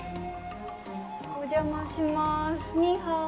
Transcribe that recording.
お邪魔しまーす。